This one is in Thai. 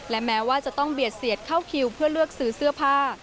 และแม้ว่าจะต้องเบียดเสียดเข้าคิวเพื่อเลือกซื้อเสื้อผ้า